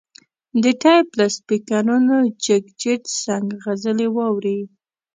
د ټیپ له سپیکرونو جګجیت سنګ غزلې واوري.